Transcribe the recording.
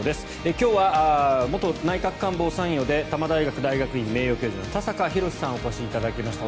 今日は元内閣官房参与で多摩大学大学院名誉教授の田坂広志さんにお越しいただきました。